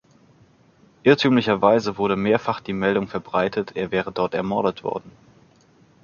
Irrtümlicherweise wurde mehrfach die Meldung verbreitet, er wäre dort ermordet worden.